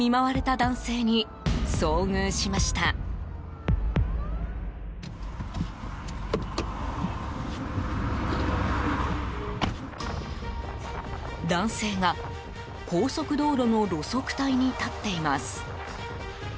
男性が、高速道路の路側帯に立っています。